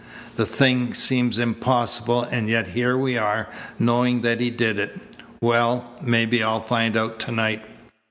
The thing seems impossible, and yet here we are, knowing that he did it. Well, maybe I'll find out to night.